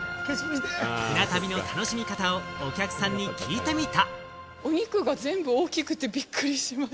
船旅の楽しみ方をお客さんに聞いてみた。